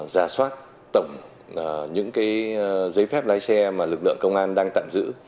ra soát tổng những cái giấy phép lái xe mà lực lượng công an đang tạm giữ